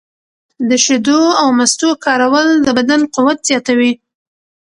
د شیدو او مستو کارول د بدن قوت زیاتوي.